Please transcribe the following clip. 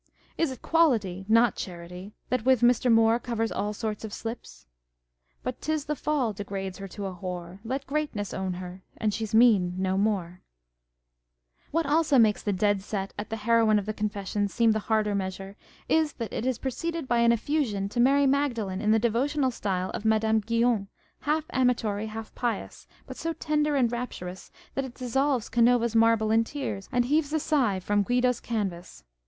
Is it quality, not charity, that with Mr. Moore covers all sorts of slips ? But 'tis the fall degrades her to a whore ; Let Greatness own her, and she's mean no more ! What also makes the dead set at the heroine of the Confessions seem the harder measure, is, that it is pre ceded by an effusion to Mary Magdalen in the devotional style of Madame Guyon, half amatory, half pious, but so tender and rapturous that it dissolves Canova's marble in tears, and heaves a sigh from Guido's canvas.